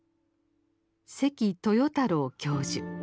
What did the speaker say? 関豊太郎教授。